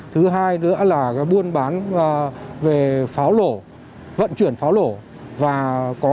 thứ hai nữa là buôn bán về pháo lổ vận chuyển pháo lổ